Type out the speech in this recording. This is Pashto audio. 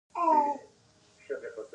افغانستان په دښتې غني دی.